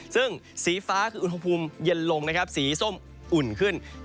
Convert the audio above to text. ซึ่งสีฟ้าคืออุณหภูมิเย็นลงนะครับสีส้มอุ่นขึ้น